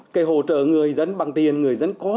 cái hỗ trợ người dân bằng tiền người dân có